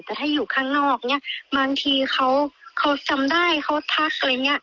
แต่ถ้าอยู่ข้างนอกเนี่ยบางทีเขาจำได้เขาทักอะไรอย่างเงี้ย